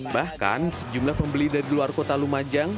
bahkan sejumlah pembeli dari luar kota lumajang